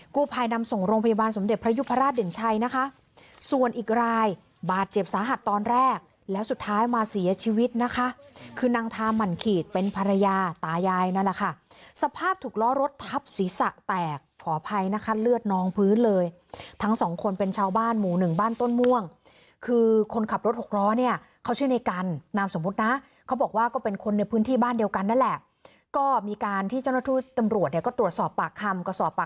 กูภายนำส่งโรงพยาบาลสมเด็จพระยุพราชเด่นชัยนะคะส่วนอีกรายบาดเจ็บสาหัสตอนแรกแล้วสุดท้ายมาเสียชีวิตนะคะคือนางทามั่นขีดเป็นภรรยาตายายนั่นแหละค่ะสภาพถูกล้อรถทับศีรษะแตกขอภัยนะคะเลือดนองพื้นเลยทั้งสองคนเป็นชาวบ้านหมู่หนึ่งบ้านต้นม่วงคือคนขับรถ๖ล้อเนี่ยเขาชื่อในการนามส